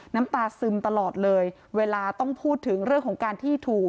น้ำตาซึมตลอดเลยเวลาต้องพูดถึงเรื่องของการที่ถูก